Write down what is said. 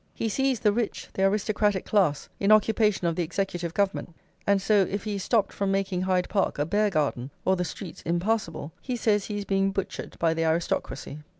He sees the rich, the aristocratic class, in occupation of the executive government, and so if he is stopped from making Hyde Park a bear garden or the streets impassable, he says he is being butchered by the aristocracy.